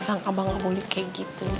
akang abah gak boleh kayak gitu